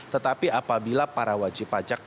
tetapi apabila para wajib pajak